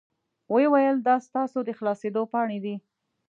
وې ویل دا ستاسو د خلاصیدو پاڼې دي.